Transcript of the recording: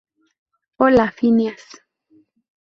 Hola, Phineas.